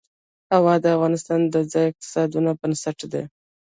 هوا د افغانستان د ځایي اقتصادونو بنسټ دی.